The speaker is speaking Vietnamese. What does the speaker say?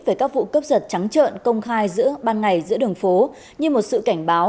về các vụ cướp giật trắng trợn công khai giữa ban ngày giữa đường phố như một sự cảnh báo